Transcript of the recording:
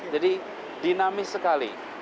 jadi dinamis sekali